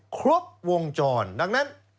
ครบวงจรดังนั้น